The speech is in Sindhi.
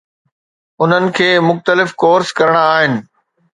انهن کي مختلف ڪورس ڪرڻا آهن.